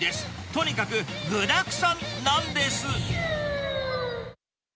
とにかく具だくさんなんです。